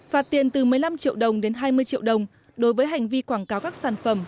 phạt tiền từ một mươi năm triệu đồng đến hai mươi triệu đồng đối với hành vi quảng cáo các sản phẩm